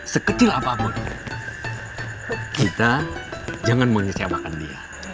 sekecil apapun kita jangan mau ngecewakan dia